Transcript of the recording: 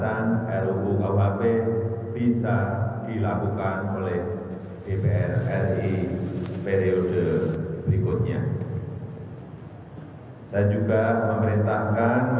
untuk menyempurnakan ruu papua periangada